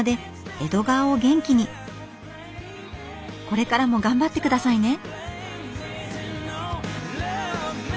これからも頑張ってくださいね。